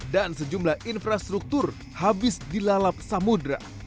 dan sejumlah infrastruktur habis dilalap samudera